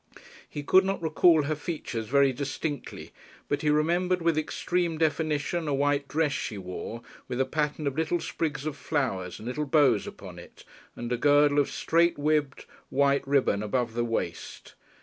He could not recall her features very distinctly, but he remembered with extreme definition a white dress she wore, with a pattern of little sprigs of flowers and little bows of ribbon upon it, and a girdle of straight ribbed white ribbon about the waist.